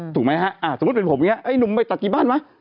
ถูกมั้ยฮะสมมุติเป็นผมเนี่ยนุ่มไปตัดกี่บ้านวะ